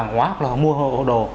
hay là chở hàng hóa hoặc là mua hộ đồ